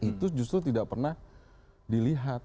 itu justru tidak pernah dilihat